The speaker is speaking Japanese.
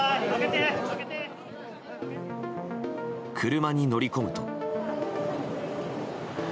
車に乗り込むと。